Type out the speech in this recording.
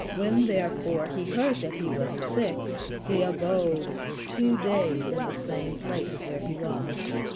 When, therefore, he heard that he was sick, he abode two days in the same place where he was."